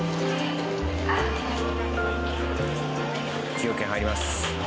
崎陽軒入ります。